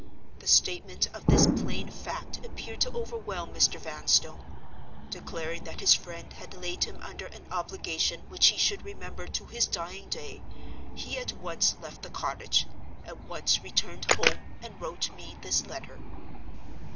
The statement of this plain fact appeared to overwhelm Mr. Vanstone. Declaring that his friend had laid him under an obligation which he should remember to his dying day, he at once left the cottage, at once returned home, and wrote me this letter."